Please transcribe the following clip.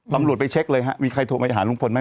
บำรวดไปเช็คเลยครับมีใครโทรมาหาลุงพล